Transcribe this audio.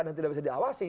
dan tidak bisa diawasi